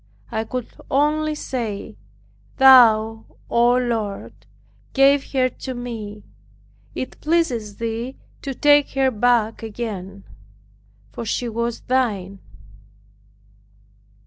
I could only say, "Thou, O Lord, gave her to me; it pleases Thee to take her back again, for she was Thine."